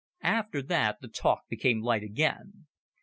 After that the talk became light again.